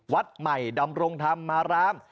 วัดใหม่ดำรงธรรมาราม